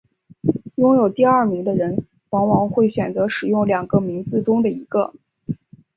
拥有第二名的人往往会选择使用两个名字中的一个。